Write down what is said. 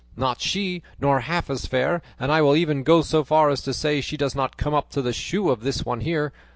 Not she; nor half as fair; and I will even go so far as to say she does not come up to the shoe of this one here.